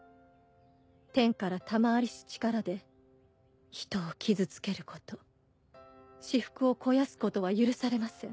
天から賜りし力で人を傷つけること私腹を肥やすことは許されません。